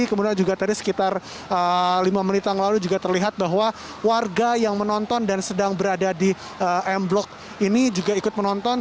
kemudian juga tadi sekitar lima menit yang lalu juga terlihat bahwa warga yang menonton dan sedang berada di m blok ini juga ikut menonton